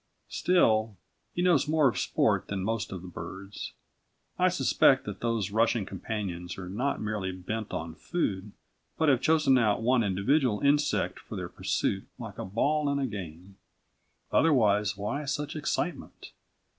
Still, he knows more of sport than most of the birds. I suspect that those rushing companions are not merely bent on food but have chosen out one individual insect for their pursuit like a ball in a game. Otherwise, why such excitement?